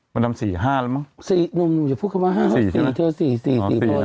ผมทำ๔๕แล้วมั้งนุ่มอย่าพูดคำว่า๔เท่าไหร่๔๔๔